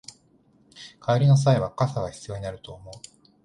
帰りの際は傘が必要になると思う